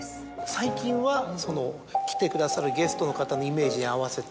最近はその来てくださるゲストの方のイメージに合わせて。